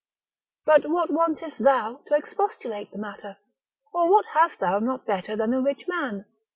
But what wantest thou, to expostulate the matter? or what hast thou not better than a rich man?